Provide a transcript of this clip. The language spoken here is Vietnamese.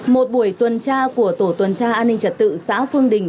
một buổi tuần tra của tổ tuần tra an ninh trật tự xã phương đình